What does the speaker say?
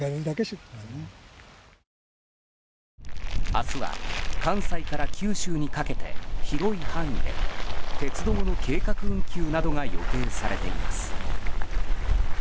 明日は関西から九州にかけて広い範囲で鉄道の計画運休などが予定されています。